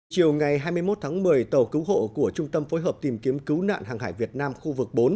chiều ngày hai mươi một tháng một mươi tàu cứu hộ của trung tâm phối hợp tìm kiếm cứu nạn hàng hải việt nam khu vực bốn